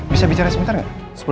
bisa bicara sebentar gak